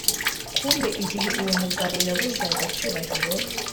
kumbe igihe uwo mugabo yabuzaga cyubahiro